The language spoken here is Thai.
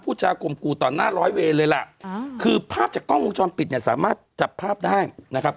จากลมกู่ต่อหน้าร้อยเวรเลยล่ะคือภาพจากกล้องวงจรปิดเนี่ยสามารถจับภาพได้นะครับ